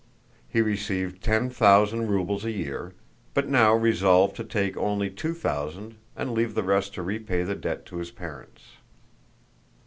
He received ten thousand rubles a year, but now resolved to take only two thousand and leave the rest to repay the debt to his parents.